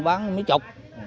bán mía trục